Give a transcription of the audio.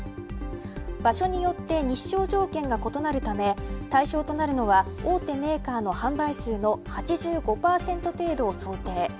場所によって日照条件が異なるため対象となるのは大手メーカーの販売数の８５％程度を想定。